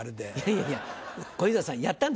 いやいや小遊三さんやったんでしょ？